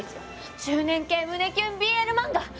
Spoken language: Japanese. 中年系胸キュンＢＬ漫画！